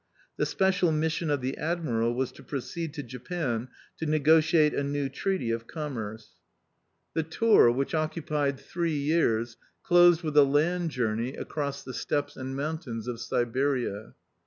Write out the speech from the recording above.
The special mission of the admiral was to proceed to Japan to negotiate a new treaty of commerce. viii PREFACE The tour, which occupied three years, closed with a land journey across the steppes and mountains of Siberia.